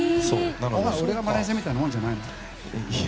俺がマネジャーみたいなものじゃないの？